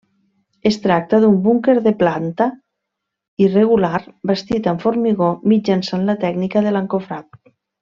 Es tracta d'un búnquer de planta irregular bastit amb formigó, mitjançant la tècnica de l'encofrat.